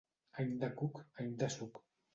Any de cuc, any de suc.